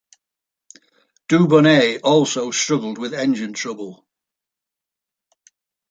Dubonnet also struggled with engine trouble.